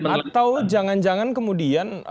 mas adi atau jangan jangan kemudian